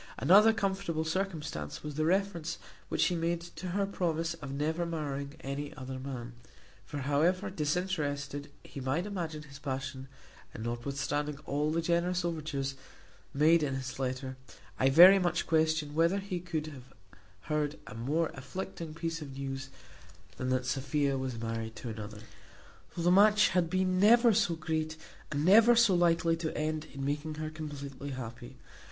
Another comfortable circumstance was the reference which she made to her promise of never marrying any other man; for however disinterested he might imagine his passion, and notwithstanding all the generous overtures made in his letter, I very much question whether he could have heard a more afflicting piece of news than that Sophia was married to another, though the match had been never so great, and never so likely to end in making her completely happy.